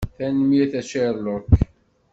Tanemmirt a Sherlock!